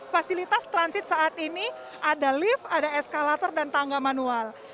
fasilitas transit saat ini ada lift ada eskalator dan tangga manual